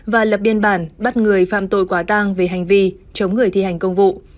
và lập biên bản bắt người phạm tội quá tăng về hành vi chống người thi hành công vụ